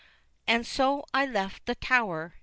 And so I left the Tower.